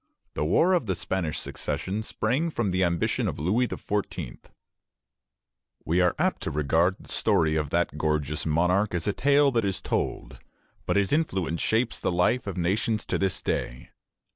The War of the Spanish Succession sprang from the ambition of Louis XIV. We are apt to regard the story of that gorgeous monarch as a tale that is told; but his influence shapes the life of nations to this day.